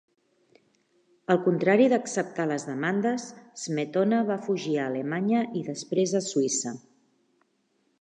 Al contrari d'acceptar les demandes, Smetona va fugir a Alemanya i després a Suïssa.